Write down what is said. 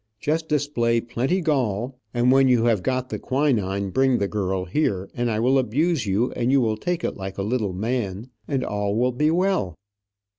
Just display plenty gall and when you have go the quinine, bring the girl here, and I will abuse you, and you take it like a little man, and all will be well.